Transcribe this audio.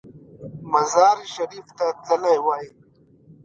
مزار شریف ته تللی وای.